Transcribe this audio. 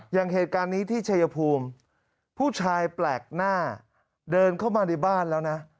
อย่างเหตุการณ์นี้ที่ชัยภูมิผู้ชายแปลกหน้าเดินเข้ามาในบ้านแล้วนะ